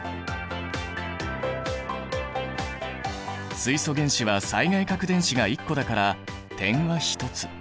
水素原子は最外殻電子が１個だから点は１つ。